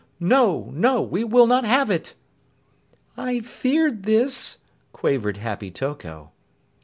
No! No! We will not have it!" "I feared this!" quavered Happy Toko.